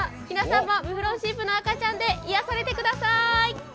皆さんもムフロンシープの赤ちゃんで癒やされてください。